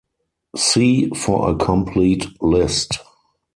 See for a complete list.